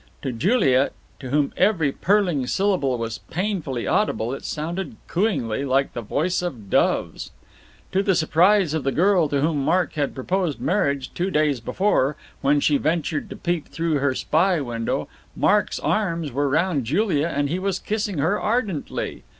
To Juliet, to whom every purling syllable was painfully audible, it sounded cooingly, like the voice of doves. To the surprise of the girl to whom Mark had proposed marriage two days before, when she ventured to peep through her spy window, Mark's arms were round Julia and he was kissing her ardently.